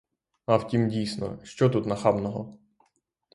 А втім, дійсно, що тут нахабного?